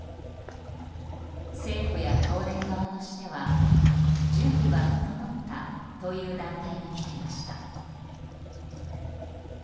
政府や東電側としては準備は整ったという段階に来ていました。